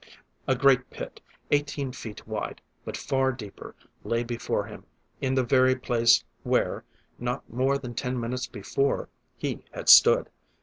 A great pit, eighteen feet wide, but far deeper, lay before him in the very place where, not more than ten minutes before, he had stood.